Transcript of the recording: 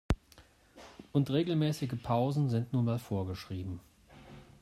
Und regelmäßige Pausen sind nun mal vorgeschrieben.